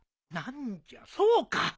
何じゃそうか。